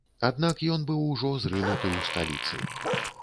Аднак ён быў ужо зрынуты ў сталіцы.